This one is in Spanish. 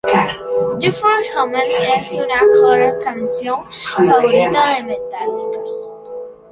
The Four Horsemen es una clara fan-canción favorita de Metallica.